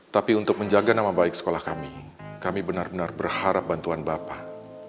tapi untuk menjaga nama baik sekolah kami kami benar benar berharap bantuan bapak